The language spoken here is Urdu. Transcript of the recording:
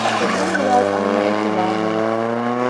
شبنم‘ گداز آئنۂ اعتبار ہے